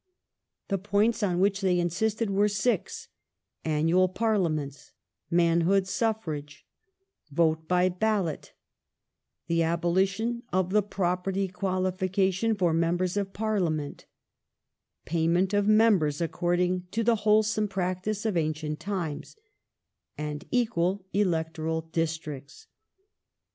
The points on which they insisted were six : annual Parliaments ; manhood suffrage ; vote by ballot ; the abolition of the property qualification for members of Parliament; payment of members according to "the wholesome practice of ancient times "; and equal electoral districts.